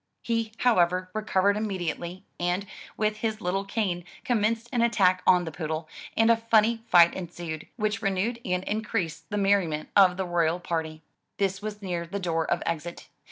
He, however, recovered 167 M Y BOOK HOUSE immediately, and, with his little cane, commenced an attack on the poodle, and a funny fight ensued, which renewed and increased the merriment of the royal party. This was near the door of exit.